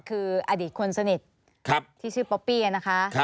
คืออดีตคนสนิทที่ชื่อป๊อปปี้นะคะ